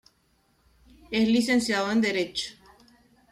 Es licenciado en Derecho.